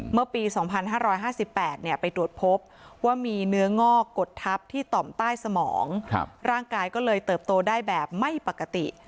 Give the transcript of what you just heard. เมื่อปี๒๕๕๘ไปตรวจพบว่ามีเนื้องอกกดทับที่ต่อมใต้สมองร่างกายก็เลยเติบโตได้แบบไม่ปกติ